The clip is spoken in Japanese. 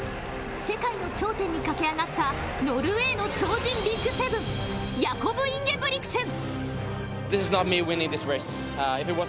世界の頂点に駆け上がったノルウェーの超人ＢＩＧ７、ヤコブ・インゲブリクセン。